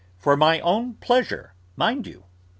For my own pleasure, mind you!